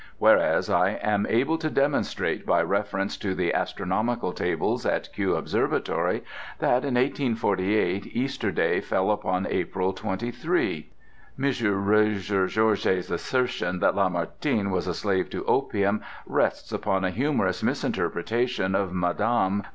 Whereas, I am able to demonstrate, by reference to the astronomical tables at Kew Observatory, that in 1848 Easter Day fell upon April 23. M. Rougegorge's assertion that Lamartine was a slave to opium rests upon a humorous misinterpretation of Mme.